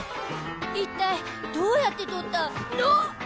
一体どうやって撮ったうわっ！